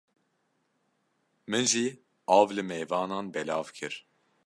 Min jî av li mêvanan belav kir.